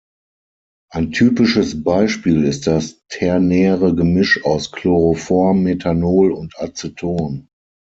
Ein typisches Beispiel ist das ternäre Gemisch aus Chloroform, Methanol und Aceton.